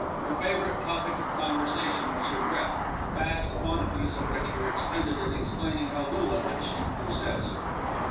Her favourite topic of conversation was her breath, vast quantities of which were expended in explaining how little of it she possessed.